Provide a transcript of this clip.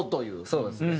そうですね。